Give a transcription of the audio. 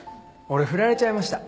俺フラれちゃいました。